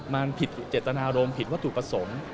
มันผิดเจตนารมณ์ผิดวัตถุประสงค์